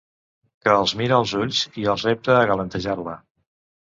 Que els mira als ulls i els repta a galantejar-la.